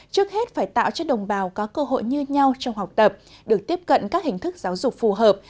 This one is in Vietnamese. trước hết phải tạo cho đồng bào có cơ hội như nhau trong học tập được tiếp cận các hình thức giáo dục phù hợp